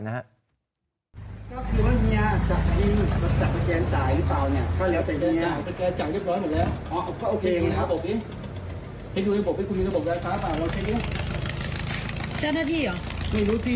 ทีนี้พวกพี่กำลังมองว่าผมเนี่ยมาเก็บค่าไฟ